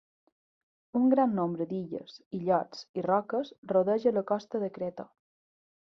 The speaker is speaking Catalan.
Un gran nombre d'illes, illots i roques rodeja la costa de Creta.